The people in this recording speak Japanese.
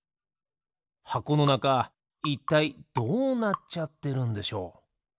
はこのなかいったいどうなっちゃってるんでしょう？